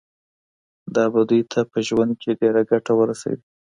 دا به دوی ته په ژوند کي ډیره ګټه ورسوي.